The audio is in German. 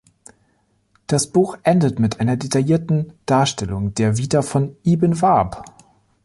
Das Buch endet mit einer detaillierten Darstellung der Vita von Ibn Wahb.